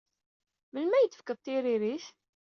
Melmi ara iyi-d-tefkeḍ tiririt?